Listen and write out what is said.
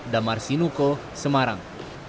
damar sinuko semarang